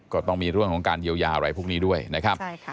ก็ต้องมีเรื่องของการเยียวยาอะไรพวกนี้ด้วยนะครับ